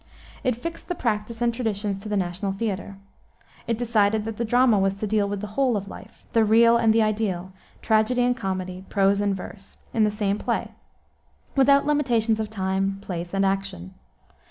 It fixed the practice and traditions of the national theater. It decided that the drama was to deal with the whole of life, the real and the ideal, tragedy and comedy, prose and verse, in the same play, without limitations of time, place, and action.